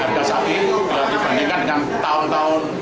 harga sapi itu berbandingkan dengan tahun tahun